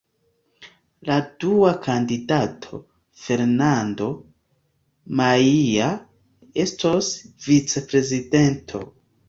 La dua kandidato, Fernando Maia, estos vicprezidanto.